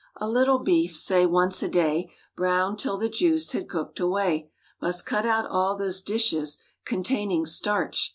A little beef—say once a day— Browned 'till the juice had cooked away. Must cut out all those dishes Containing starch.